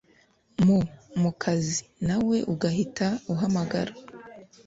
mu mukazi nawe ugahita uhamagara